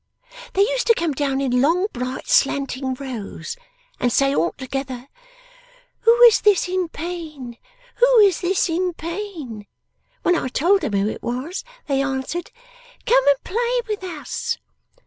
They used to come down in long bright slanting rows, and say all together, "Who is this in pain! Who is this in pain!" When I told them who it was, they answered, "Come and play with us!"